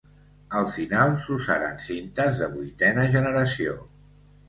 Al final, s'usaren cintes de vuitena generació.